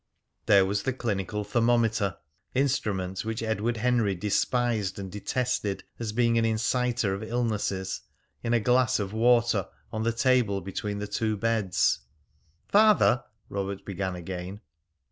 There was the clinical thermometer instrument which Edward Henry despised and detested as being an inciter of illnesses in a glass of water on the table between the two beds. "Father!" Robert began again.